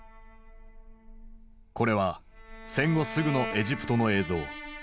これは戦後すぐのエジプトの映像。